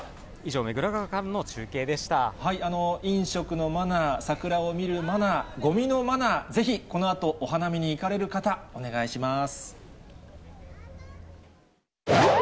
飲食のマナー、桜を見るマナー、ごみのマナー、ぜひこのあとお花見に行かれる方、お願いします。